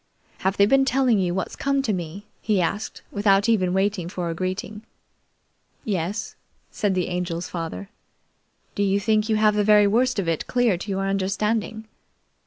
"Have they been telling you what's come to me?" he asked without even waiting for a greeting. "Yes," said the Angel's father. "Do you think you have the very worst of it clear to your understanding?"